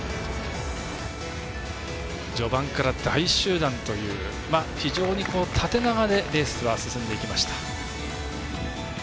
序盤から大集団という非常に縦長でレースは進んでいきました。